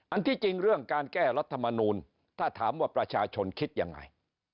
ที่จริงเรื่องการแก้รัฐมนูลถ้าถามว่าประชาชนคิดยังไง